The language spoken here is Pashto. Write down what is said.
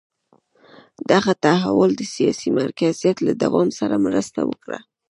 دغه تحول د سیاسي مرکزیت له دوام سره مرسته وکړه.